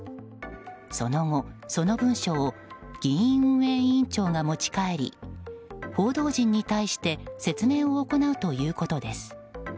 その後、その文書を議院運営委員長が持ち帰り報道陣に対して説明を行うということです。